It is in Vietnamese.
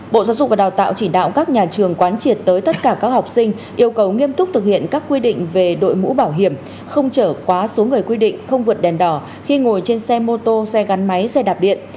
bộ giáo dục và đào tạo chỉ đạo các nhà trường quán triệt tới tất cả các học sinh yêu cầu nghiêm túc thực hiện các quy định về đội mũ bảo hiểm không trở quá số người quy định không vượt đèn đỏ khi ngồi trên xe mô tô xe gắn máy xe đạp điện